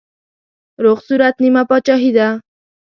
روغ صورت نيمه پاچاهي ده.